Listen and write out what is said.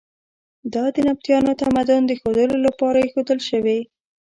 دا د نبطیانو تمدن د ښودلو لپاره ایښودل شوي.